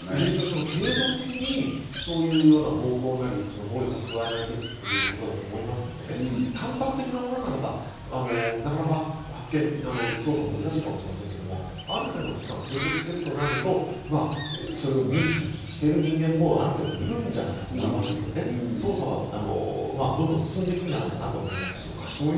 継続的にそういう暴行なり暴力が加えられていくいるということだと思いますので、単発的なものならば捜査も難しいかもしれませんけど、ある程度の期間を継続してるとなると、それを見聞きしている人間もある程度いるんじゃないかと思いますので、捜査はどんどん進んでいくんじゃないかと思いますし。